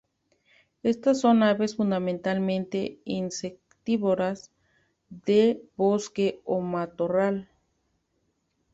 Éstas son aves fundamentalmente insectívoras de bosque o matorral.